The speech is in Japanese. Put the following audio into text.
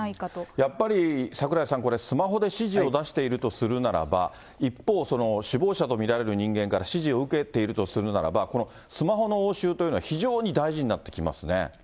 やっぱり櫻井さん、これ、スマホで指示を出しているとするならば、一方、その首謀者と見られる人間から指示を受けているとするならば、スマホの押収というのは非常に大事になってきますね。